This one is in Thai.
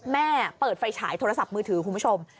แม่เปิดไฟฉายโทรศัพท์มือถือคุณผู้ชม